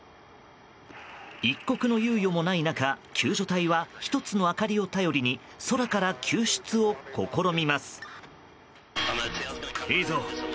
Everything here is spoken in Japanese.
一刻の猶予もない中救助隊は１つの明かりを頼りに空から救出を試みます。